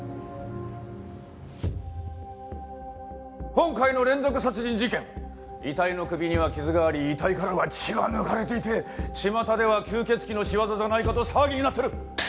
今回の連続殺人事件遺体の首には傷があり遺体からは血が抜かれていてちまたでは吸血鬼の仕業じゃないかと騒ぎになってる。